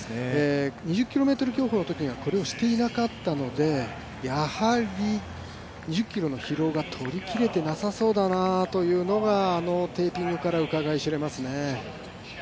２０ｋｍ競歩のときにはこれをしていなかったので、やはり２０ｋｍの疲労が取りきれていなさそうだなというのがあのテーピングからうかがい知れますね。